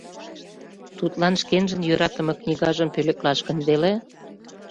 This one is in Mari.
Тудлан шкенжын йӧратыме книгажым пӧлеклаш гын веле?